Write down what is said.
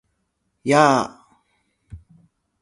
やー！！！